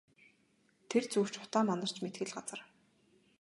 Тэр зүг ч утаа манарч мэдэх л газар.